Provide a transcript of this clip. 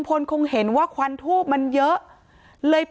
การแก้เคล็ดบางอย่างแค่นั้นเอง